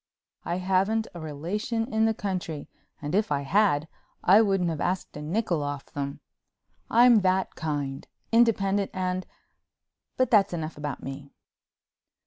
I haven't a relation in the country and if I had I wouldn't have asked a nickel off them. I'm that kind, independent and—but that's enough about me.